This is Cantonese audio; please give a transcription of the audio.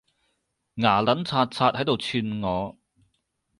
牙撚擦擦喺度串我